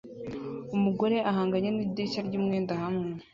Umugore ahanganye nidirishya ryumwenda hamwe